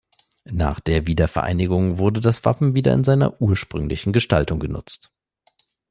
Nach der Wiedervereinigung wurde das Wappen wieder in seiner ursprünglichen Gestaltung genutzt.